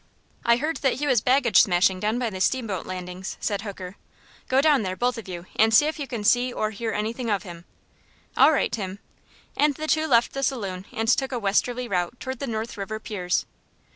"I heard that he was baggage smashin' down by the steamboat landings," said Hooker. "Go down there, both of you, and see if you can see or hear anything of him." "All right, Tim." And the two left the saloon and took a westerly route toward the North River piers.